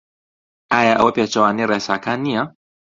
ئایا ئەوە پێچەوانەی ڕێساکان نییە؟